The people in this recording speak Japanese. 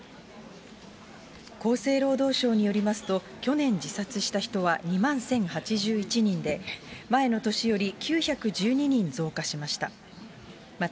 厚生労働省によりますと、去年、自殺した人は２万１０８１人で、前の年より９１２人増加しました。